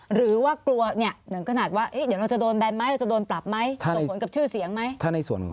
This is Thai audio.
หรือว่ากลัวเนี่ยถึงขนาดว่าเดี๋ยวเราจะโดนแบนไหมเราจะโดนปรับไหมส่งผลกับชื่อเสียงไหม